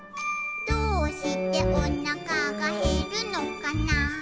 「どうしておなかがへるのかな」